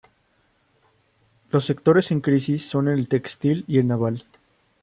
Los sectores en crisis son el textil y el naval.